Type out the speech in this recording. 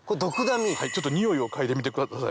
においを嗅いでみてください